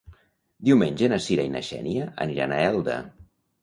Diumenge na Sira i na Xènia aniran a Elda.